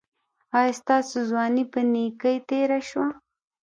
ایا ستاسو ځواني په نیکۍ تیره شوه؟